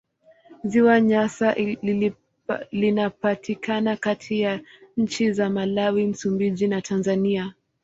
Ziwa Nyasa linapatikana kati ya nchi za Malawi, Msumbiji na Tanzania.